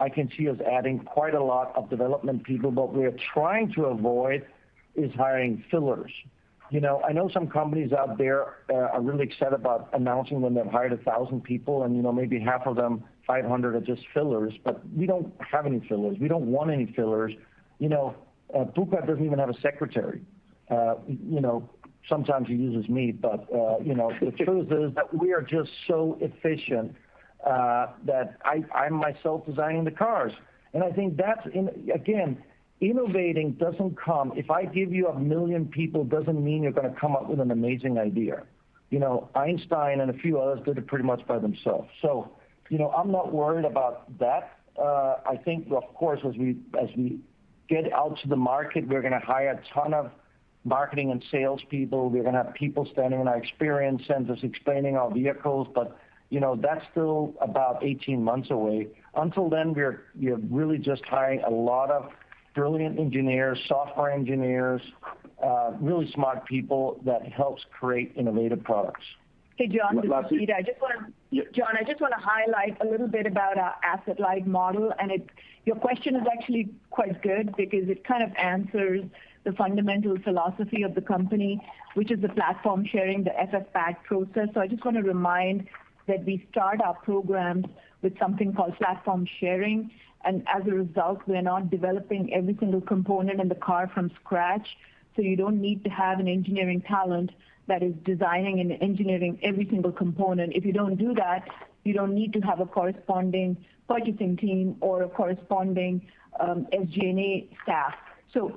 I can see us adding quite a lot of development people. What we are trying to avoid is hiring fillers. I know some companies out there are really excited about announcing when they've hired 1,000 people, and maybe half of them, 500, are just fillers. We don't have any fillers. We don't want any fillers. Burkhard Huhnke doesn't even have a secretary. Sometimes he uses me, but the truth is that we are just so efficient that I myself designing the cars. I think that's, again, innovating. If I give you 1 million people, doesn't mean you're going to come up with an amazing idea. Einstein and a few others did it pretty much by themselves. I'm not worried about that. I think, of course, as we get out to the market, we're going to hire a ton of marketing and sales people. We're going to have people standing in our experience centers explaining our vehicles, but that's still about 18 months away. Until then, we are really just hiring a lot of brilliant engineers, software engineers, really smart people that helps create innovative products. John, it's Geeta. John, I just want to highlight a little bit about our asset-light model, your question is actually quite good because it kind of answers the fundamental philosophy of the company, which is the platform sharing, the FF-PAD process. I just want to remind that we start our programs with something called platform sharing, as a result, we're not developing every single component in the car from scratch. You don't need to have an engineering talent that is designing and engineering every single component. If you don't do that, you don't need to have a corresponding budgeting team or a corresponding SG&A staff.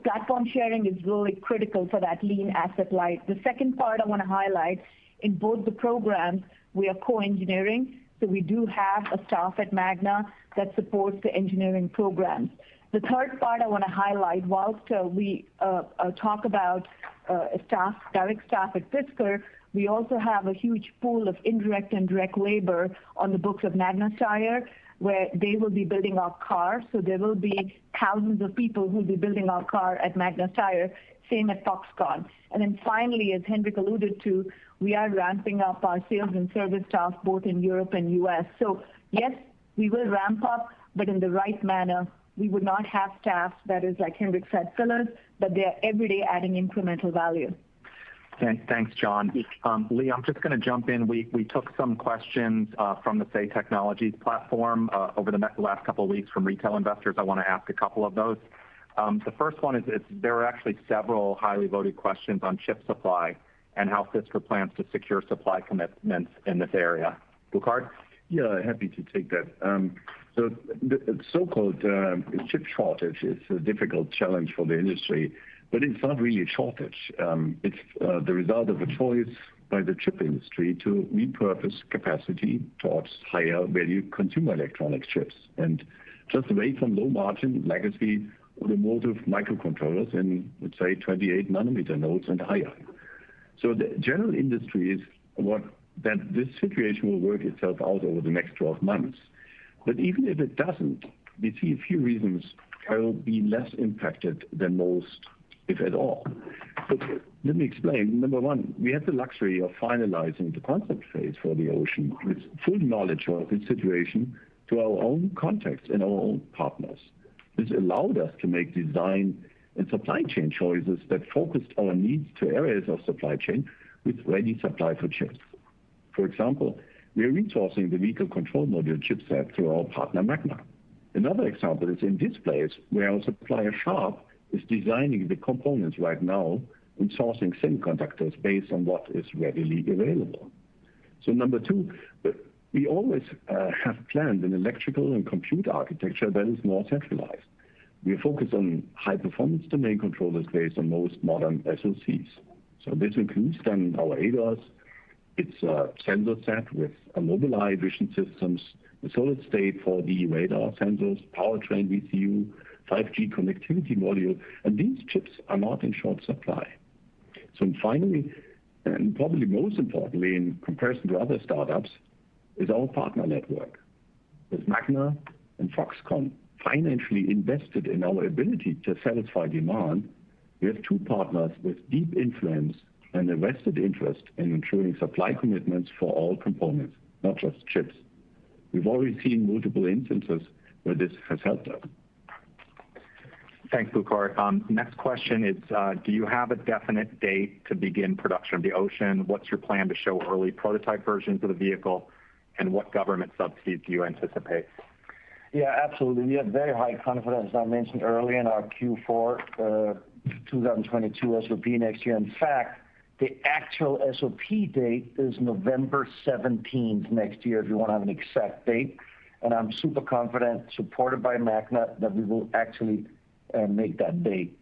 Platform sharing is really critical for that lean asset light. The second part I want to highlight, in both the programs, we are co-engineering. We do have a staff at Magna that supports the engineering programs. The third part I want to highlight, whilst we talk about direct staff at Fisker, we also have a huge pool of indirect and direct labor on the books of Magna Steyr, where they will be building our cars. There will be thousands of people who'll be building our car at Magna Steyr, same at Foxconn. Finally, as Henrik alluded to, we are ramping up our sales and service staff both in Europe and U.S. Yes, we will ramp up, but in the right manner. We will not have staff that is, like Henrik said, fillers, but they are every day adding incremental value. Thanks, John. Lee, I'm just going to jump in. We took some questions from the Say Technologies platform over the last couple weeks from retail investors. I want to ask a couple of those. The first one is, there are actually several highly voted questions on chip supply, and how Fisker plans to secure supply commitments in this area. Burkhard? Yeah, happy to take that. The so-called chip shortage is a difficult challenge for the industry. It's not really a shortage. It's the result of a choice by the chip industry to repurpose capacity towards higher value consumer electronic chips and just away from low margin legacy automotive microcontrollers in, let's say, 28 nanometer nodes and higher. The general industry is that this situation will work itself out over the next 12 months. Even if it doesn't, we see a few reasons why we'll be less impacted than most, if at all. Let me explain. Number 1, we had the luxury of finalizing the concept phase for the Ocean with full knowledge of the situation through our own contacts and our own partners, which allowed us to make design and supply chain choices that focused our needs to areas of supply chain with ready supply for chips. For example, we are resourcing the vehicle control module chipset through our partner, Magna. Another example is in displays, where our supplier, Sharp, is designing the components right now and sourcing semiconductors based on what is readily available. Number 2, we always have planned an electrical and compute architecture that is more centralized. We focus on high-performance domain controller space and most modern SoCs. This includes scanning our lidars. It's a sensor set with Mobileye vision systems, a solid-state for the radar sensors, powertrain VCU, 5G connectivity module, and these chips are not in short supply. Finally, and probably most importantly in comparison to other startups, is our partner network. With Magna and Foxconn financially invested in our ability to satisfy demand, we have two partners with deep influence and a vested interest in ensuring supply commitments for all components, not just chips. We've already seen multiple instances where this has helped us. Thanks, Burkhard. Next question is, do you have a definite date to begin production of the Ocean? What's your plan to show early prototype versions of the vehicle, and what government subs do you anticipate? Yeah, absolutely. We have very high confidence, as I mentioned earlier, in our Q4 2022 SOP next year. In fact, the actual SOP date is November 17th next year, if you want an exact date. I'm super confident, supported by Magna, that we will actually make that date.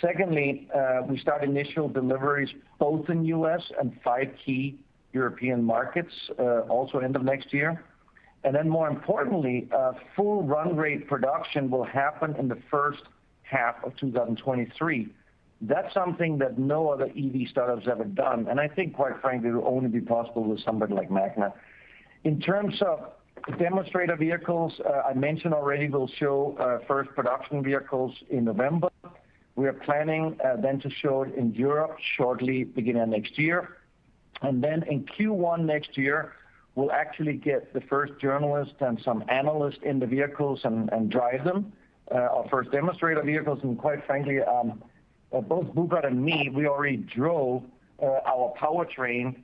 Secondly, we start initial deliveries both in the U.S. and five key European markets also end of next year. More importantly, full run rate production will happen in the first half of 2023. That's something that no other EV startup's ever done, and I think, quite frankly, it would only be possible with somebody like Magna. In terms of demonstrator vehicles, I mentioned already we'll show first production vehicles in November. We are planning then to show it in Europe shortly beginning next year. Then in Q1 next year, we'll actually get the first journalists and some analysts in the vehicles and drive them, our first demonstrator vehicles. Quite frankly, both Henrik and me, we already drove our powertrain.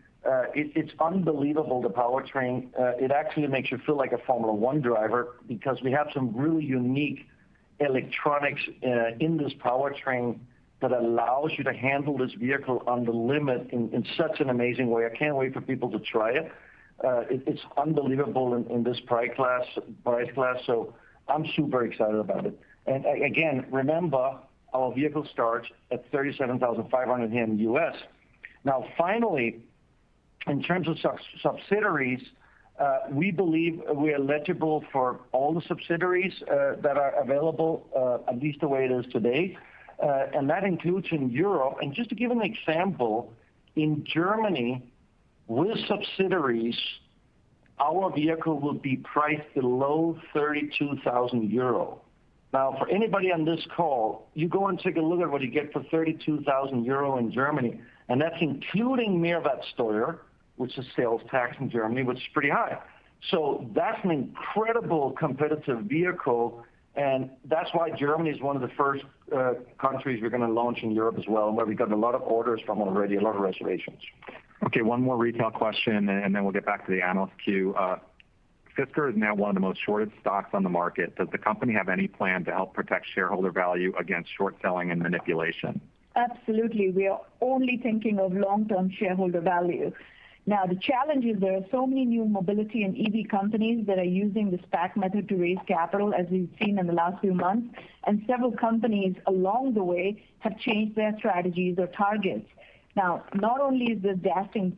It's unbelievable, the powertrain. It actually makes you feel like a Formula One driver because we have some really unique electronics in this powertrain that allows you to handle this vehicle on the limit in such an amazing way. I can't wait for people to try it. It's unbelievable in this price class, so I'm super excited about it. Again, remember, our vehicle starts at $37,500 here in the U.S. Now finally, in terms of subsidiaries, we believe we are eligible for all the subsidiaries that are available, at least the way it is today, and that includes in Europe. Just to give an example, in Germany, with subsidiaries, our vehicle will be priced below 32,000 euro. For anybody on this call, you go and take a look at what you get for 32,000 euro in Germany, and that's including Mehrwertsteuer, which is sales tax in Germany, which is pretty high. That's an incredible competitive vehicle, and that's why Germany's one of the first countries we're going to launch in Europe as well, and where we've got a lot of orders from already, a lot of reservations. One more retail question, and then we'll get back to the analyst queue. Fisker is now one of the most shorted stocks on the market. Does the company have any plan to help protect shareholder value against short selling and manipulation? Absolutely. We are only thinking of long-term shareholder value. The challenge is there are so many new mobility and EV companies that are using the SPAC method to raise capital, as we've seen in the last few months, and several companies along the way have changed their strategies or targets. Not only is this casting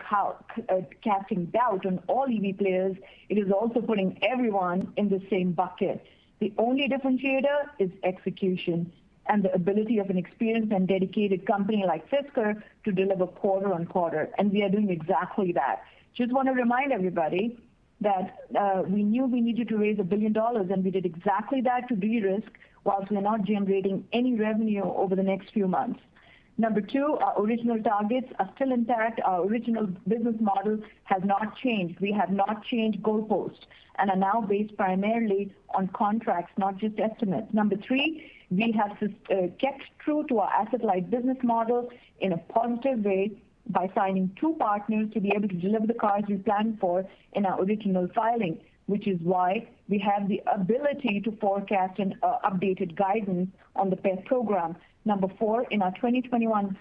doubt on all EV players, it is also putting everyone in the same bucket. The only differentiator is execution and the ability of an experienced and dedicated company like Fisker to deliver quarter-on-quarter, and we are doing exactly that. Just want to remind everybody that we knew we needed to raise $1 billion, and we did exactly that to de-risk whilst we're not generating any revenue over the next few months. Number 2, our original targets are still intact. Our original business model has not changed. We have not changed goalposts and are now based primarily on contracts, not just estimates. Number 3, we have kept true to our asset-light business model in a pointed way by signing two partners to be able to deliver the cars we planned for in our original filing, which is why we have the ability to forecast an updated guidance on the PEAR program. Number 4, in 2021,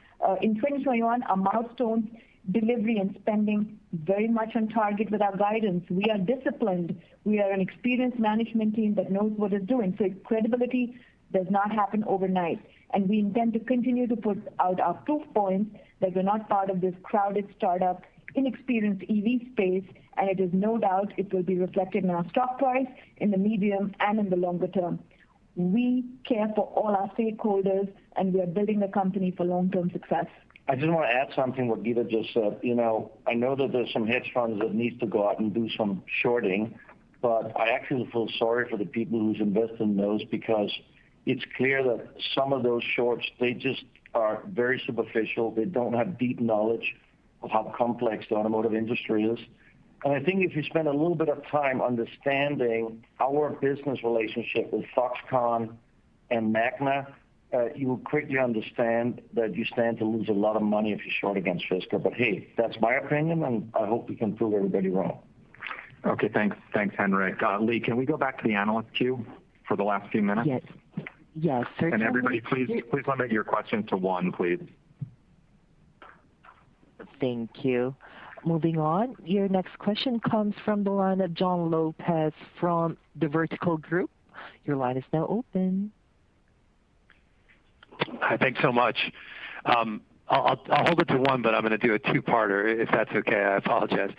our milestones, delivery, and spending, very much on target with our guidance. We are disciplined. We are an experienced management team that knows what it's doing, so credibility does not happen overnight. We intend to continue to put out our proof points that we're not part of this crowded startup, inexperienced EV space, and it is no doubt it will be reflected in our stock price in the medium and in the longer term. We care for all our stakeholders. We are building a company for long-term success. I just want to add something what Geeta just said. I know that there's some hedge funds that need to go out and do some shorting, but I actually feel sorry for the people who's invested in those because it's clear that some of those shorts, they just are very superficial. They don't have deep knowledge of how complex the automotive industry is. I think if you spend a little bit of time understanding our business relationship with Foxconn and Magna, you will quickly understand that you stand to lose a lot of money if you're short against Fisker. Hey, that's my opinion, and I hope you can sleep very well. Okay, thanks. Thanks, Henrik. Lee, can we go back to the analyst queue for the last few minutes? Yes. Everybody, please limit your question to one, please. Thank you. Moving on. Your next question comes from the line of Jon Lopez from the Vertical Group. Your line is now open. Hi. Thanks so much. I'll hold it to one, but I'm going to do a two-parter, if that's okay. I apologize.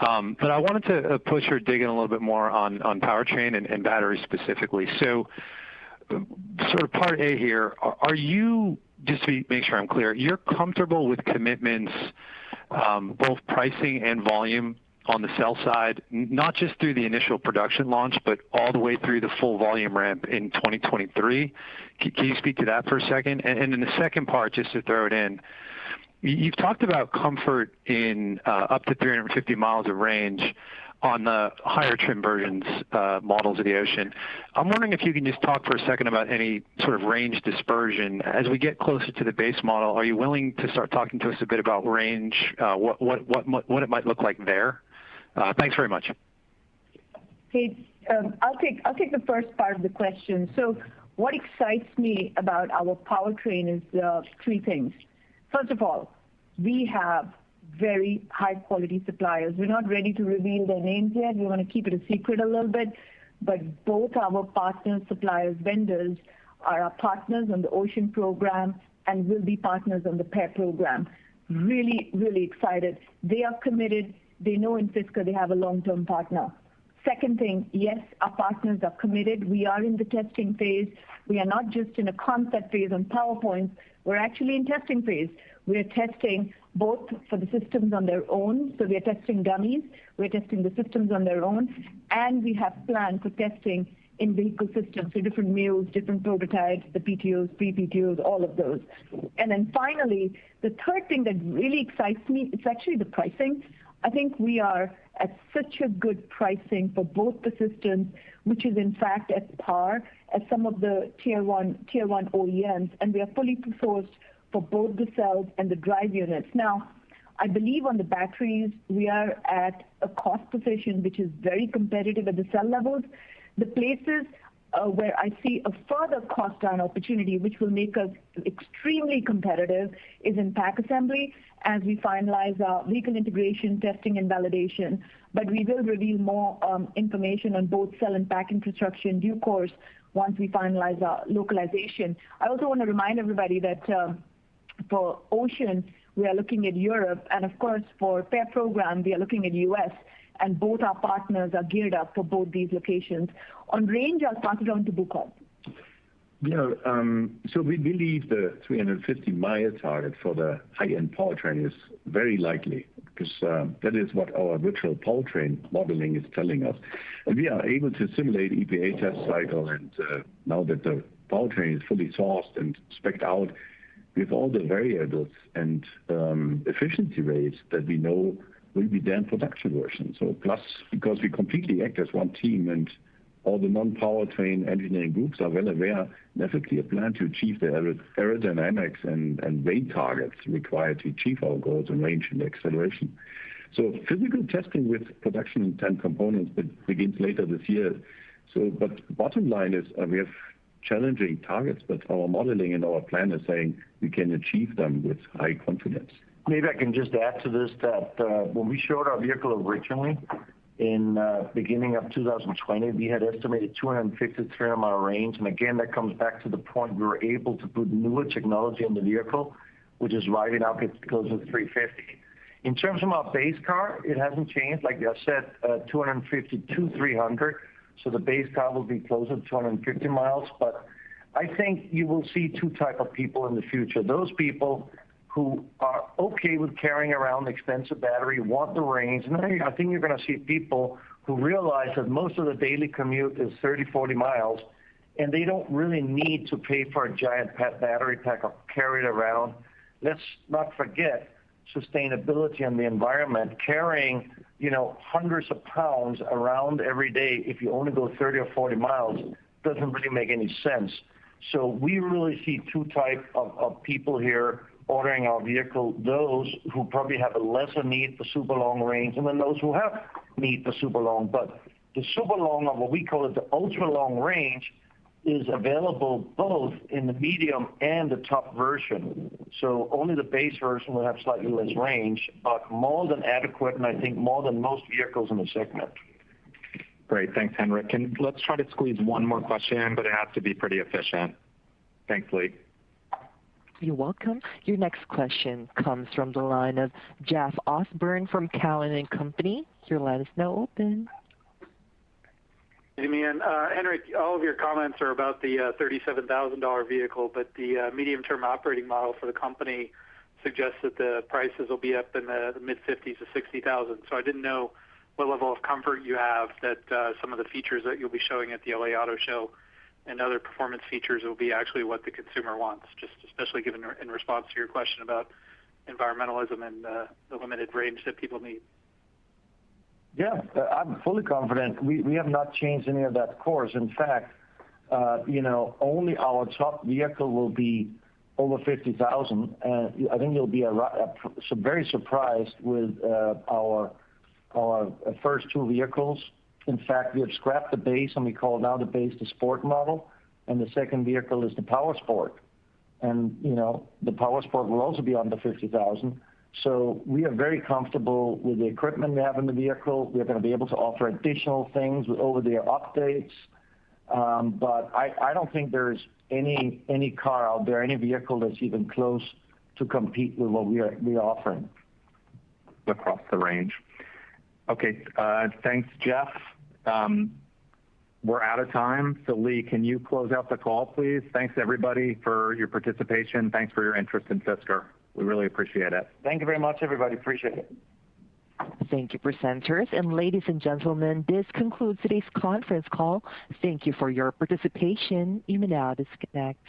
I wanted to push or dig in a little bit more on powertrain and battery specifically. Part A here, just so I make sure I'm clear, you're comfortable with commitments both pricing and volume on the sale side, not just through the initial production launch, but all the way through the full volume ramp in 2023? Can you speak to that for a second? The second part, just to throw it in, you talked about comfort in up to 350 mi of range on the higher trim versions models of the Ocean. I'm wondering if you can just talk for a second about any sort of range dispersion. As we get closer to the base model, are you willing to start talking to us a bit about range, what it might look like there? Thanks very much. Hey, I'll take the first part of the question. What excites me about our powertrain is three things. First of all, we have very high-quality suppliers. We're not ready to reveal their names yet. We want to keep it a secret a little bit. Both our partners, suppliers, vendors, are our partners on the Ocean program and will be partners on the PEAR program. Really excited. They are committed. They know in Fisker they have a long-term partner. Second thing, yes, our partners are committed. We are in the testing phase. We are not just in a concept phase on PowerPoint. We're actually in testing phase. We're testing both for the systems on their own, so we're testing dummies. We're testing the systems on their own, and we have plans for testing in the ecosystem, so different mules, different prototypes, the PTLs, PPTLs, all of those. Finally, the third thing that really excites me is actually the pricing. I think we are at such a good pricing for both the systems, which is in fact at par at some of the tier 1 OEMs, and we are fully sourced for both the cells and the drive units. Now, I believe on the batteries, we are at a cost position which is very competitive at the cell levels. The places where I see a further cost down opportunity, which will make us extremely competitive, is in pack assembly as we finalize our vehicle integration, testing, and validation. We will reveal more information on both cell and pack introduction in due course once we finalize our localization. I also want to remind everybody that for Fisker Ocean, we are looking at Europe, and of course, for PEAR program, we are looking at the U.S., and both our partners are geared up for both these locations. On range, I'll pass it on to Burkhard Huhnke. We believe the 350-mile target for the high-end powertrain is very likely, because that is what our original powertrain modeling is telling us. We are able to simulate EPA test cycle, and now that the powertrain is fully sourced and specced out with all the variables and efficiency rates that we know will be there in production version. Plus, because we completely act as one team and all the non-powertrain engineering groups are well aware and effectively plan to achieve the aerodynamics and weight targets required to achieve our goals in range and acceleration. Physical testing with production intent components begins later this year. The bottom line is we have challenging targets, but our modeling and our plan are saying we can achieve them with high confidence. Maybe I can just add to this that when we showed our vehicle originally in beginning of 2020, we had estimated 253 mi range. Again, that comes back to the point we were able to put newer technology on the vehicle, which is why we now get closer to 350. In terms of our base car, it hasn't changed. Like I said, 250 to 300. The base car will be closer to 250 mi, but I think you will see two type of people in the future. Those people who are okay with carrying around the expensive battery, want the range. I think you're going to see people who realize that most of their daily commute is 30, 40 mi, and they don't really need to pay for a giant battery pack carried around. Let's not forget sustainability and the environment. Carrying hundreds of pounds around every day if you only go 30 or 40 mi doesn't really make any sense. We really see two type of people here ordering our vehicle. Those who probably have a lesser need for super long range, and then those who have need for super long. The super long, or what we call it, the ultra-long range, is available both in the medium and the top version. Only the base version will have slightly less range, but more than adequate, and I think more than most vehicles in the segment. Great. Thanks, Henrik. Let's try to squeeze one more question in, but it'll have to be pretty efficient, thankfully. You're welcome. Your next question comes from the line of Jeff Osborne from Cowen and Company. Your line is now open. Henrik, all of your comments are about the $37,000 vehicle. The medium-term operating model for the company suggests that the prices will be up in the mid $50,000-$60,000. I didn't know what level of comfort you have that some of the features that you'll be showing at the LA Auto Show and other performance features will be actually what the consumer wants, just especially in response to your question about environmentalism and the limited range that people need. Yeah, I'm fully confident. We have not changed any of that course. In fact, only our top vehicle will be over $50,000. I think you'll be very surprised with our first two vehicles. In fact, we have scrapped the base and we call now the base the Sport model, and the second vehicle is the PowerSport. The PowerSport will also be under $50,000. We are very comfortable with the equipment we have in the vehicle. We're going to be able to offer additional things with over-the-air updates. I don't think there's any car out there, any vehicle that's even close to compete with what we are offering across the range. Okay. Thanks, Jeff. We're out of time. Lee, can you close out the call, please? Thanks everybody for your participation. Thanks for your interest in Fisker. We really appreciate it. Thank you very much, everybody. Appreciate it. Thank you, presenters. Ladies and gentlemen, this concludes today's conference call. Thank you for your participation. You may now disconnect.